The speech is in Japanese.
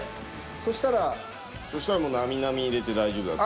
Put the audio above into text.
そしたらもうなみなみ入れて大丈夫だと。